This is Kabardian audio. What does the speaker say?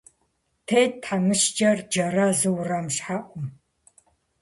Тетт тхьэмыщкӏэр, джэрэзу, уэрам щхьэӀум.